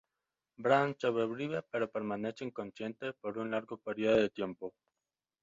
Bran sobrevive pero permanece inconsciente por un largo periodo de tiempo.